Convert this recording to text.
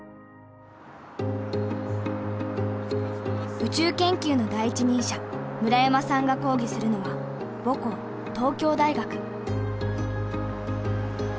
宇宙研究の第一人者村山さんが講義するのは母校東京大学。